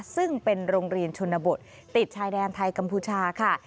ซึ่งเป็นโรงเรียนชนบทติดชายแดนไทยกัมพูชาค่ะ